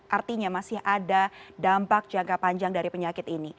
artinya masih ada dampak jangka panjang dari penyakit ini